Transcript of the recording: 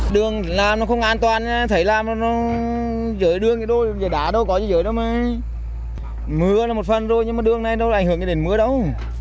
đường làm nó không an toàn nha thấy làm nó dưới đường cái đôi đá đôi có dưới đó mới mưa là một phần thôi nhưng mà đường này nó đánh hưởng đến mưa đâu